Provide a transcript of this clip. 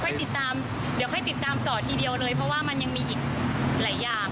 ติดตามเดี๋ยวค่อยติดตามต่อทีเดียวเลยเพราะว่ามันยังมีอีกหลายอย่าง